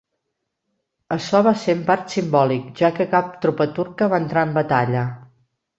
Açò va ser en part simbòlic, ja que cap tropa turca va entrar en batalla.